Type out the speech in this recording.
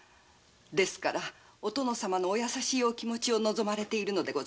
だからお殿様のお優しいお気持ちを望まれているのです。